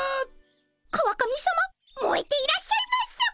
川上さまもえていらっしゃいます。